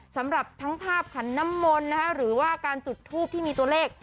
สำหรับทั้งภาพขันน้ำมนต์หรือว่าการจุดทูปที่มีตัวเลข